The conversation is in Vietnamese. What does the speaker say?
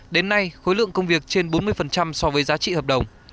đến nay khối lượng công việc trên bốn mươi so với giá trị hợp đồng